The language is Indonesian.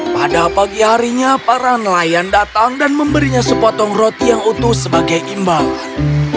pada pagi harinya para nelayan datang dan memberinya sepotong roti yang utuh sebagai imbalan